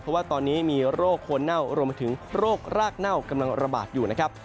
เพราะว่าตอนนี้มีโรคคนเน่ารวมไปถึงโรครากเน่ากำลังระบาดอยู่นะครับ